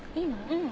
うん。